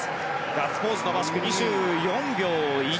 ガッツポーズのバシク２４秒１１。